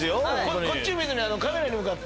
こっちを見ずカメラに向かって。